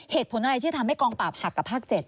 เหตุผลอะไรที่ทำให้กองปราบหักกับภาค๗